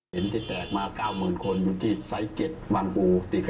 ไปดูแลตรงนั้นเป็นศูนย์อพยก